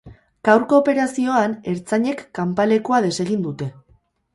Gaurko operazioan, ertzainek kanpalekua desegin dute.